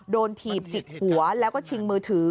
ถีบจิกหัวแล้วก็ชิงมือถือ